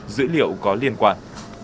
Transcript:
dữ liệu có liên quan